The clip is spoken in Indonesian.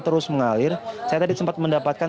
terus mengalir saya tadi sempat mendapatkan